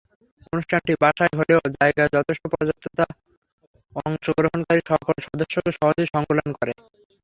অনুষ্ঠানটি বাসায় হলেও জায়গার যথেষ্ট পর্যাপ্ততা অংশগ্রহণকারী সকল সদস্যকে সহজেই সংকুলান করে।